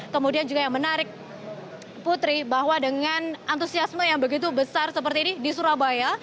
kemudian juga yang menarik putri bahwa dengan antusiasme yang begitu besar seperti ini di surabaya